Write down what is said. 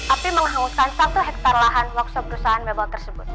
api menghangutkan satu hektar lahan workshop perusahaan mebel tersebut